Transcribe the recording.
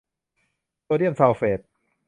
โซเดียมซัลเฟต